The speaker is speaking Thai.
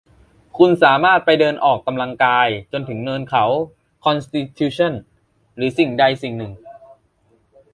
คุณสามารถไปเดินออกกำลังกายจนถึงเนินเขาคอนสติทิวชั่นหรือสิ่งใดสิ่งหนึ่ง